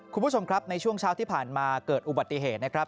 คุณผู้ชมครับในช่วงเช้าที่ผ่านมาเกิดอุบัติเหตุนะครับ